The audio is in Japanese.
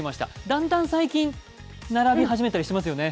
だんだん最近、並び始めたりしていますよね。